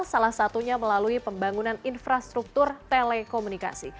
salah satunya melalui pembangunan infrastruktur telekomunikasi